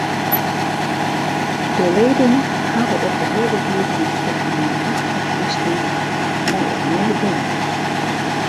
De leden hawwe op de ledegearkomste manmachtich ynstimd mei it nije belied.